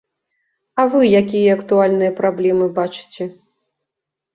А вы якія актуальныя праблемы бачыце?